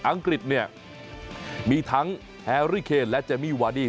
อังกฤษเนี่ยมีทั้งแฮรี่เคนและเจมมี่วาดี้